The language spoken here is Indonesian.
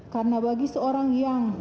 karena bagi seorang yang